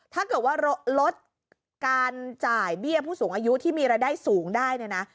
ถ้าเกิดว่าลดการจ่ายเบี้ยผู้สูงอายุที่มีรายได้สูงได้เนี่ยนะ